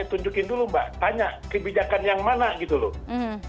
tunjukin dulu mbak tanya kebijakan yang mana gitu loh